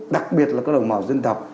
đặc biệt là các đồng bào dân tộc